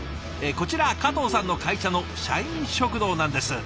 こちら加藤さんの会社の社員食堂なんです。